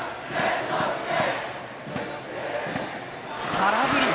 空振り。